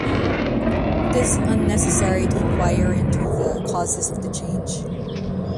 It is unnecessary to enquire into the causes of the change.